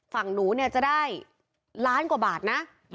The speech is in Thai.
ฝั่งหนูเนี่ยจะได้ล้านกว่าบาทนะ